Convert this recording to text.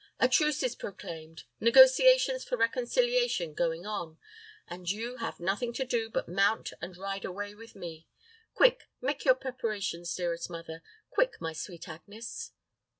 A truce is proclaimed, negotiations for reconciliation going on, and you have nothing to do but mount and ride away with me. Quick with your preparations, dearest mother quick, my sweet Agnes!"